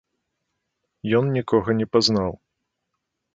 Ён нікога не пазнаў.